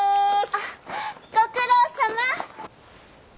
あっご苦労さま！